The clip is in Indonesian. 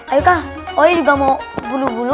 ayo kak woy juga mau bulu bulu